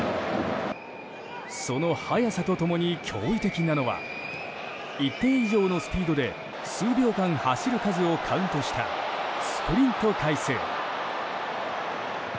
その速さと共に驚異的なのが一定以上のスピードで数秒間、走る数をカウントしたスプリント回数。